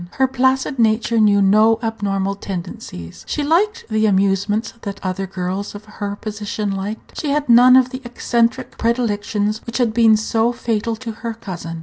Her placid nature knew no abnormal tendencies. She liked the amusements that other girls of her position liked. She had none of the eccentric predilections which had been so fatal to her cousin.